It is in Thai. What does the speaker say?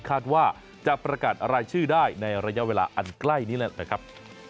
คาดว่าจะประกาศรายชื่อได้ในระยะเวลาอันใกล้นี้แหละนะครับ